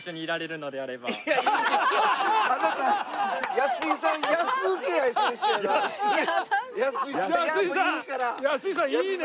安井さんいいね！